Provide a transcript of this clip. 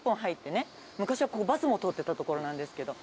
昔はここバスも通ってた所なんですけど。